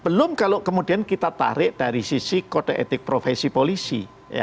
belum kalau kemudian kita tarik dari sisi kode etik profesi polisi